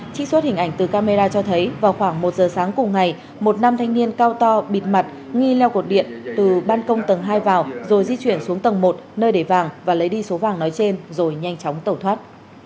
trích xuất hình ảnh từ camera cho thấy vào khoảng một giờ sáng cùng ngày một nam thanh niên cao to bịt mặt nghi leo cột điện từ ban công tầng hai vào rồi di chuyển xuống tầng một nơi để vàng và lấy đi số vàng nói trên rồi nhanh chóng tẩu thoát